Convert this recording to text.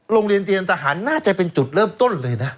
โรงเรียนเตรียมทหารน่าจะเป็นจุดเริ่มต้นเลยนะ